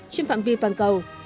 trên phạm vi toàn cầu